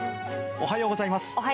おはようございます。